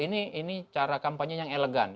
ini cara kampanye yang elegan